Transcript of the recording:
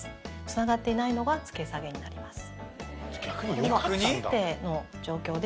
つながっていないのが付け下げになります。